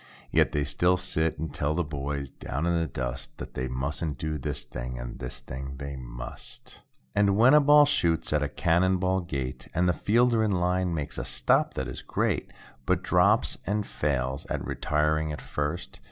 Yet, they still sit and tell the boys down in the dust. That they mustn't do this thing, and this thing they must. I2I And when a ball shoots at a cannon ball gait, And the fielder in line, makes a stop that is great. But drops it and fails at retiring at first.